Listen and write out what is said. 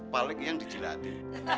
balik yang dijelati